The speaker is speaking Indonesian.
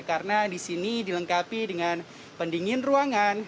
karena di sini dilengkapi dengan pendingin ruangan